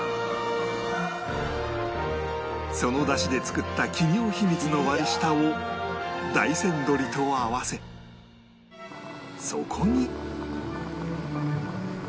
その出汁で作った企業秘密の割り下を大山どりと合わせそこに